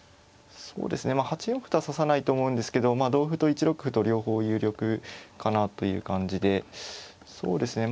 そうですね８四歩とは指さないと思うんですけど同歩と１六歩と両方有力かなという感じでそうですね